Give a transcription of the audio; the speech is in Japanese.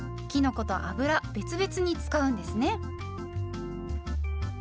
きのこと油別々に使うんですね。